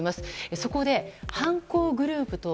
そこで、犯行グループとは。